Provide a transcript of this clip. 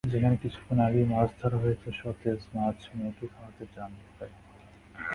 যেখানে কিছুক্ষণ আগেই মাছ ধরা হয়েছে, সতেজ মাছ মেয়েকে খাওয়াতে চান বলে।